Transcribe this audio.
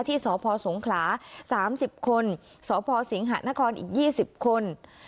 ที่สพสงขลา๓๐คนสพสิงหะนครอีก๒๐คน